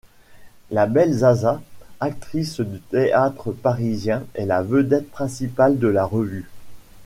La belle Zaza, actrice de théâtre parisien est la vedette principale de la revue.